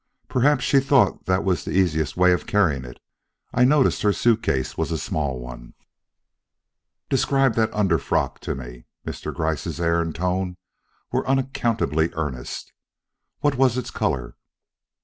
Perhaps she thought that was the easiest way of carrying it. I noticed that her suit case was a small one." "Describe that under frock to me." Mr. Gryce's air and tone were unaccountably earnest. "What was its color?"